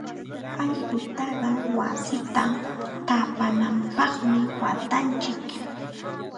Allqutaqa wasita taapananpaqmi waatanchik.